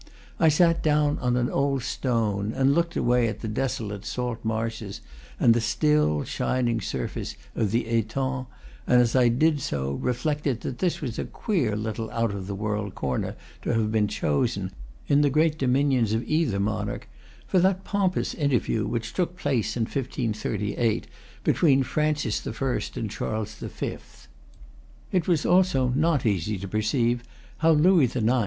I sat down on an old stone, and looked away to the desolate salt marshes and the still, shining surface of the etang, and, as I did so, reflected that this was a queer little out of the world corner to have been chosen, in the great dominions of either monarch, for that pompous interview which took place, in 1538, between Francis I. and Charles V. It was also not easy to perceive how Louis IX.